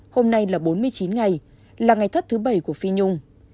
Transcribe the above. hôm nay là bốn mươi chín ngày là ngày thất thứ bảy của phi nhung